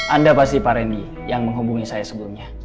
anda pasti pak rendy yang menghubungi saya sebelumnya